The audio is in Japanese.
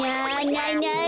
ないない。